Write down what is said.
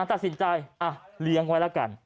ตัดสินใจเลี้ยงไว้แล้วกัน